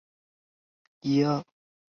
殿试登进士第三甲第三十名。